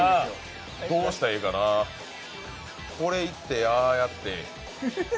どうしたらええかな、こういって、ああいって。